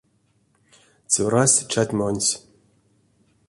Цёрась чатьмонсь.